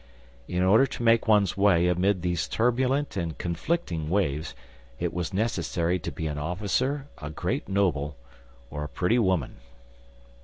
In order to make one's way amid these turbulent and conflicting waves, it was necessary to be an officer, a great noble, or a pretty woman.